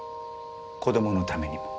子供のためにも。